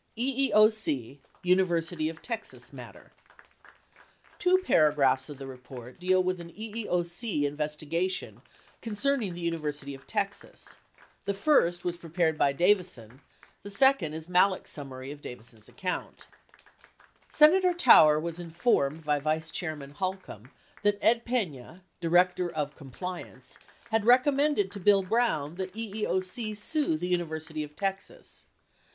EEOC UNIVERSITY OF TEXAS MATTER Two paragraphs of the report deal with an EEOC investigation concerning the University of Texas ; the first was prepared by Davison, the second is Malek's summary of Davison's account : Senator Tower was informed by Vice Chairman Holcomb that Ed Pena, Director of Compliance, had recommended to Bill Brown that EEOC sue The University of Texas.